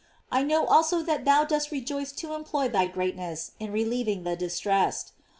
I know also that thou dost rejoice to employ thy greatness in re lieving the distressed.